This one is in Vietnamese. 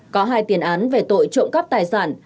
có hai tiền án về tội trộm cắp tài sản